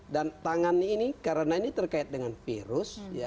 dan tangani ini karena ini terkait dengan virus